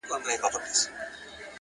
علم د فکر وسعت زیاتوي.